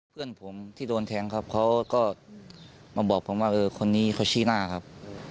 เพื่อนผมที่โดนแทงครับเขาก็มาบอกผมว่าเออคนนี้เขาชี้หน้าครับ